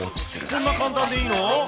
そんな簡単でいいの？